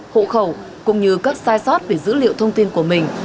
hộ khẩu cũng như các sai sót về dữ liệu thông tin của mình